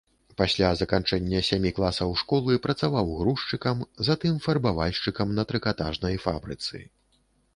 Пасля заканчэння сямі класаў школы працаваў грузчыкам, затым фарбавальшчыкам на трыкатажнай фабрыцы.